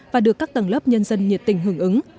và được các tầng lớp nhân dân nhiệt tình hưởng ứng